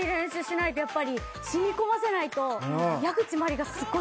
染み込ませないと。